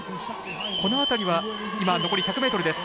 この辺りは今残り１００ｍです。